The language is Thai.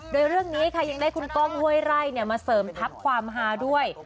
โดยเรื่องนี้ค่ะยังได้คุณก้องห้วยไร่มาเสริมทัพความฮาด้วย